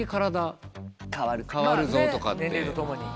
年齢とともに。